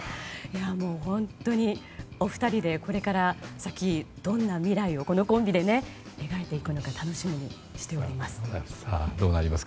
本当にお二人でどんな未来をこのコンビで描いていくのか楽しみにしております。